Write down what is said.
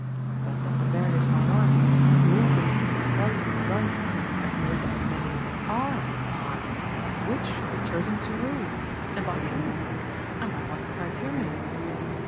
But of the various minorities, who all believe themselves in the right, as no doubt many of them are in part, which shall be chosen to rule? And by whom? And by what criterion?